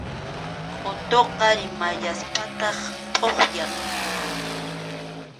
Qʼutuqa rumiyaspataq tʼuqyan.